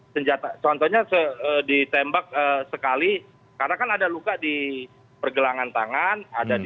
senjata contohnya ditembak sekali karena kan ada luka di pergelangan tangan ada di